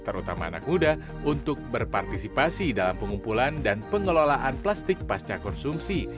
terutama anak muda untuk berpartisipasi dalam pengumpulan dan pengelolaan plastik pasca konsumsi